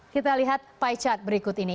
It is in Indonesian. kita lihat pie chart berikut ini